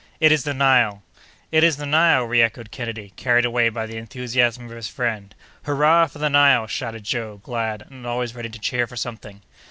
It is the Nile!" "It is the Nile!" reëchoed Kennedy, carried away by the enthusiasm of his friend. "Hurrah for the Nile!" shouted Joe, glad, and always ready to cheer for something.